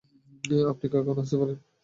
আপনি এখন আসতে পারেন।